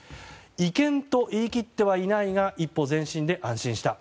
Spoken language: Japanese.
違憲と言い切ってはいないが一歩前進で安心した。